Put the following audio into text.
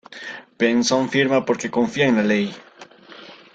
Benson firma porque confía en la ley.